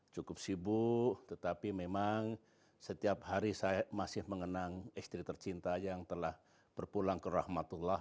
cukup sibuk tetapi memang setiap hari saya masih mengenang istri tercinta yang telah berpulang ke rahmatullah